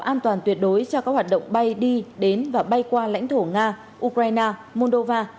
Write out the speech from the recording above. an toàn tuyệt đối cho các hoạt động bay đi đến và bay qua lãnh thổ nga ukraine moldova